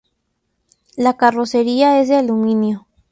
La carrocería es de aluminio.